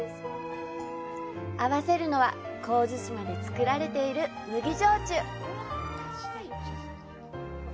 合わせるのは神津島で造られている麦焼酎。